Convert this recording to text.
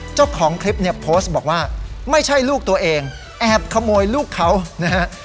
เจ้าของคลิปเนี่ยโพสต์บอกว่าไม่ใช่ลูกตัวเองแอบขโมยลูกเขานะฮะ